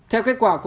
theo kết quả